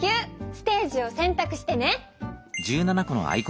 ステージをせんたくしてね。